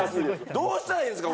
どうしたらええんですか？